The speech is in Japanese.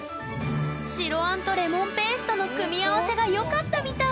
白あんとレモンペーストの組み合わせがよかったみたい！